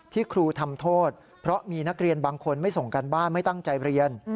ครูทำโทษเพราะมีนักเรียนบางคนไม่ส่งการบ้านไม่ตั้งใจเรียน